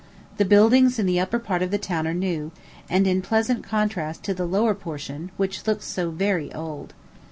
The buildings in the upper part of the town are new, and in pleasant contrast to the lower portion, which looks so very old.